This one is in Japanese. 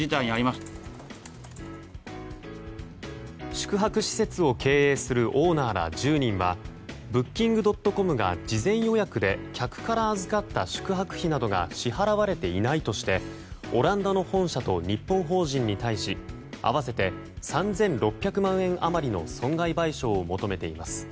宿泊施設を経営するオーナーら１０人はブッキングドットコムが事前予約で客から預かった宿泊費などが支払われていないとしてオランダの本社と日本法人に対し合わせて３６００万円余りの損害賠償を求めています。